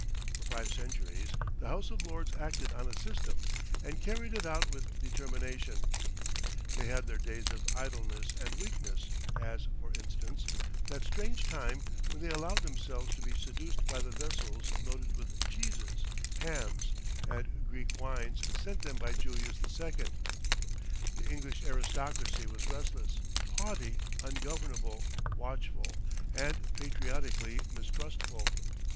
For five centuries the House of Lords acted on a system, and carried it out with determination. They had their days of idleness and weakness, as, for instance, that strange time when they allowed themselves to be seduced by the vessels loaded with cheeses, hams, and Greek wines sent them by Julius II. The English aristocracy was restless, haughty, ungovernable, watchful, and patriotically mistrustful.